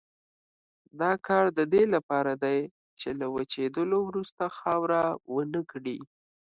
دا کار د دې لپاره دی چې له وچېدلو وروسته خاوره ونه کړي.